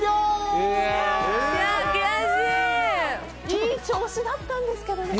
いい調子だったんですけどね。